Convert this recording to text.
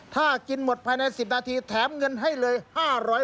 ถ้ากินหมดภายใน๑๐นาทีแถมเงินให้เลย๕๐๐บาท